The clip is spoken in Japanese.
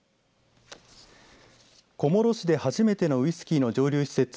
小諸市で初めてのウイスキーの蒸留施設